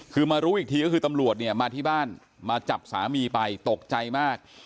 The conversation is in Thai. คือมารู้อีกทีก็คือตำรวจเนี่ยมาที่บ้านมาจับสามีไปตกใจมาก